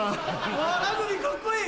うわラグビーカッコいい。